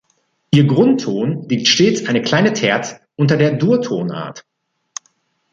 Ihr Grundton liegt stets eine kleine Terz unter der Durtonart.